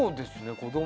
子どもは。